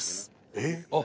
「えっ！」